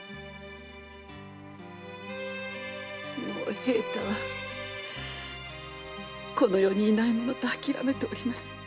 もう平太はこの世にいないものと諦めております。